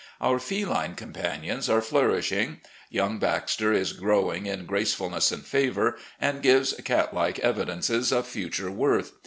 Our feline companions are flourishing. Young Baxter is growing in gracefulness and favour, and gives cat like evidences of future worth.